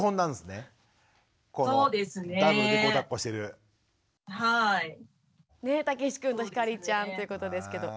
ねったけしくんとひかりちゃんということですけど。